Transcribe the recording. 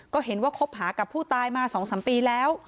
ก็เห็นว่าคบหากับผู้ตายมา๒๓ปีแล้ว